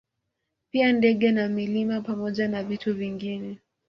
Pia ndege na milima pamoja na vitu vingine